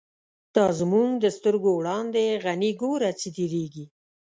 دا زمونږ د سترگو وړاندی، «غنی » گوره څه تیریږی